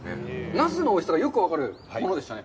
ナスのおいしさがよく分かるものでしたね。